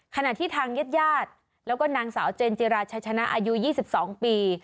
ขณะที่ทางญาติญาติแล้วก็นางสาวเจนจิราชัยชนะอายุ๒๒ปี